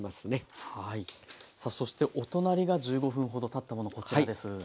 さあそしてお隣が１５分ほどたったものこちらです。